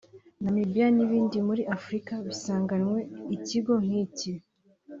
Namibia n’ibindi muri Afurika bisanganywe ikigo nk’iki